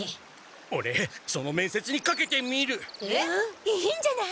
オレその面接にかけてみる！え！？いいんじゃない！